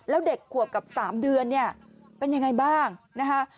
แล้วเด็กขวบกับ๓เดือนเนี่ยเป็นยังไงบ้างนะคะ